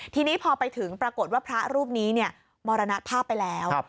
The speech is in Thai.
ทีนี้พอไปถึงปรากฏว่าพระรูปนี้มรณภาพไปแล้ว